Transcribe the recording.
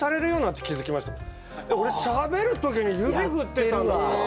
俺しゃべる時に指振ってたんだ。